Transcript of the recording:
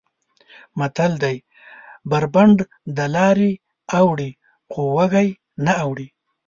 متل دی: بر بنډ دلارې اوړي خو وږی نه اوړي.